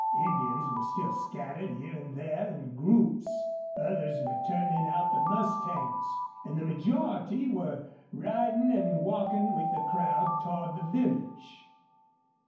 Indians were still scattered here and there in groups; others were turning out the mustangs; and the majority were riding and walking with the crowd toward the village.